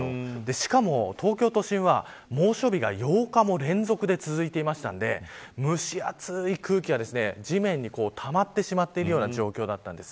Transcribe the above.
しかも東京都心は、猛暑日が８日も連続で続いていたので蒸し暑い空気が地面にたまってしまっているような状況だったんです。